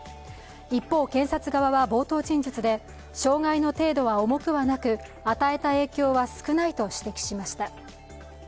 一方、検察側は冒頭陳述で、障害の程度は重くはなく与えた影響は少ないと指摘しました。